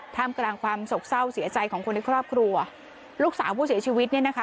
ท่ามกลางความสกเศร้าเสียใจของคนในครอบครัวลูกสาวผู้เสียชีวิตเนี่ยนะคะ